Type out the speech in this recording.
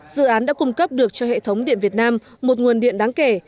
dự án đã cung cấp được cho hệ thống điện việt nam một nguồn điện đáng kể